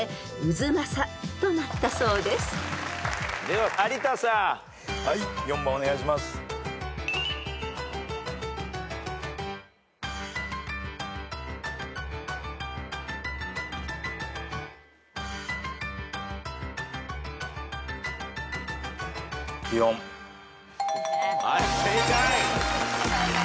はい正解。